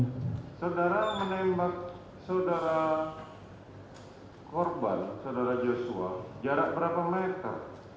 saudara menembak saudara korban saudara joshua jarak berapa meter